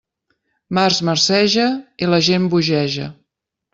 Març marceja... i la gent bogeja.